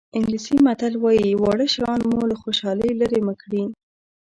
انګلیسي متل وایي واړه شیان مو له خوشحالۍ لرې مه کړي.